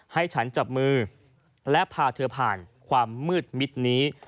ให้ฉันจับมือและพาเธอผ่านความมืดมิดนี้